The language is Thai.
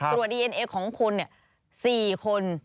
ตรวจดีเอนเอของคน๔คน